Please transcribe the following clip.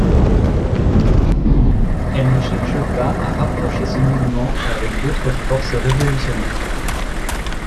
Elle ne cherche pas à rapprocher ce mouvement avec d'autres forces révolutionnaires.